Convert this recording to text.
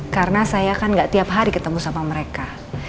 karena saya kan gak tiap hari ketemu sama mereka